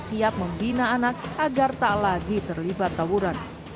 siap membina anak agar tak lagi terlibat tawuran